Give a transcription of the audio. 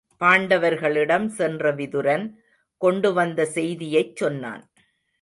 பாண்டவர்களிடம் சென்ற விதுரன் கொண்டு வந்த செய்தியைச் சொன்னான்.